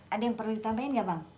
ada yang perlu ditambahin nggak bang